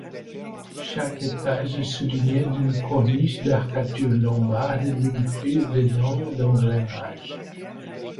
Chaque étage est souligné d'une corniche d'arcatures lombardes et d'une frise de dents d'engrenage.